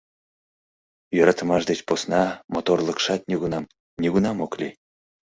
Йӧратымаш деч посна моторлыкшат нигунам-нигунам ок лий!